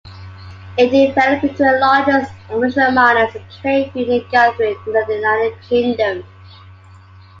It developed into the largest unofficial miners and trade-union gathering in the United Kingdom.